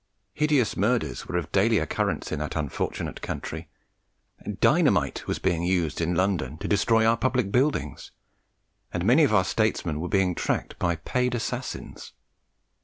Hideous murders were of daily occurrence in that unfortunate country. Dynamite was being used in London to destroy our public buildings, and many of our statesmen were being tracked by paid assassins.